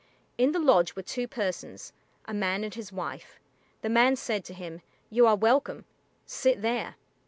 In the lodge were two persons, a man and his wife. The man said to him, "You are welcome; sit there."